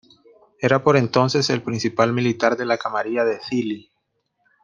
Era por entonces el principal militar de la camarilla de Zhili.